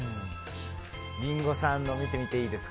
リンゴさんのを見てみます。